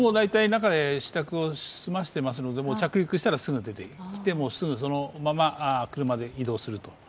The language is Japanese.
中でしたくを済ませていますので、着陸したらすぐ出てきて、そのまま車で移動すると。